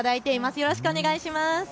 よろしくお願いします。